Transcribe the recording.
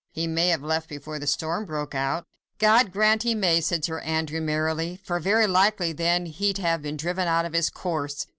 "He may have left before the storm broke out." "God grant he may," said Sir Andrew, merrily, "for very likely then he'll have been driven out of his course!